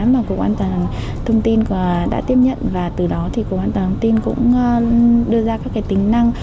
và thông tin đã tiếp nhận và từ đó thì cổng thông tin cũng đưa ra các tính năng